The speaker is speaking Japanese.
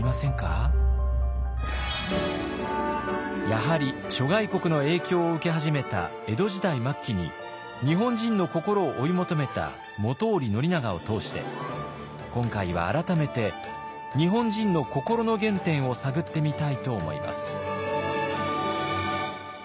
やはり諸外国の影響を受け始めた江戸時代末期に日本人の心を追い求めた本居宣長を通して今回は改めて日本人の心の原点を探ってみたいと思います。